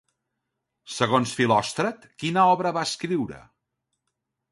Segons Filòstrat, quina obra va escriure?